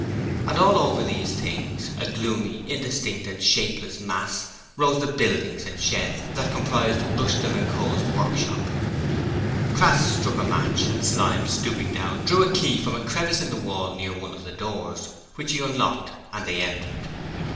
And over all these things, a gloomy, indistinct and shapeless mass, rose the buildings and sheds that comprised Rushton & Co.'s workshop. Crass struck a match, and Slyme, stooping down, drew a key from a crevice in the wall near one of the doors, which he unlocked, and they entered.